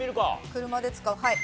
車で使うはい。